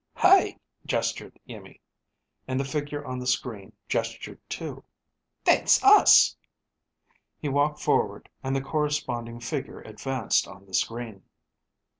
"Hey," gestured Iimmi, and the figure on the screen gestured too. "That's us." He walked forward and the corresponding figure advanced on the screen.